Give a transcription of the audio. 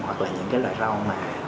hoặc là những cái loại rau mà